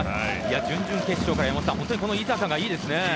準々決勝から本当に井坂がいいですね。